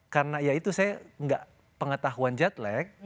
karena ya itu saya gak pengetahuan jet lag